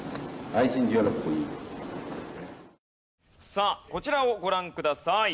さあこちらをご覧ください。